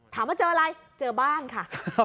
ถามว่าเจออะไรเจอบ้านค่ะ